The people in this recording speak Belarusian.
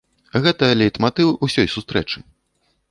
Гэта лейтматыў усёй сустрэчы.